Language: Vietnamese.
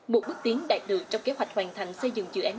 một bước tiến đạt được trong kế hoạch hoàn thành xây dựng dự án